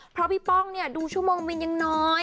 เพราะพี่ป้องเนี่ยดูชั่วโมงวินยังน้อย